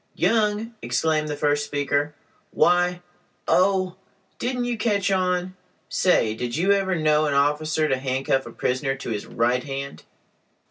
"Young!" exclaimed the first speaker, "why—Oh! didn't you catch on? Say—did you ever know an officer to handcuff a prisoner to his right hand?"